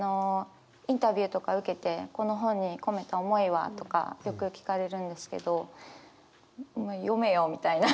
インタビューとか受けて「この本に込めた思いは？」とかよく聞かれるんですけど読めよみたいな。